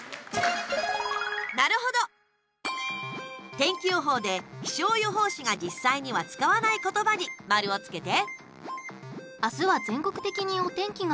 天気予報で気象予報士が実際には使わない言葉に丸をつけて！